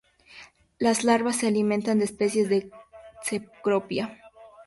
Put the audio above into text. Las larvas se alimentan de especies de Cecropia.